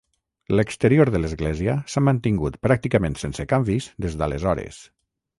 L'exterior de l'església s'ha mantingut pràcticament sense canvis des d'aleshores.